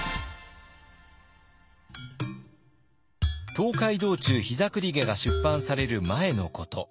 「東海道中膝栗毛」が出版される前のこと。